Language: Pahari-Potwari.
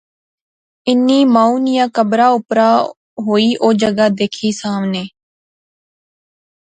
انی مائو نیاں قبرا اپرا ہوئی او جگہ دیکھی ساونے